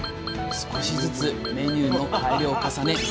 少しずつメニューの改良を重ね